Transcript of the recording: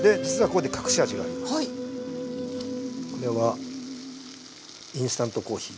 これはインスタントコーヒー。